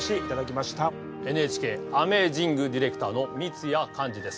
ＮＨＫアメージング・ディレクターの三津谷寛治です。